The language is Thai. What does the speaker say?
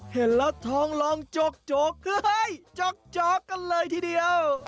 เห็นแล้วทองลองจกกันเลยทีเดียว